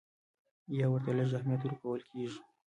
یا ورته لږ اهمیت ورکول کېږي.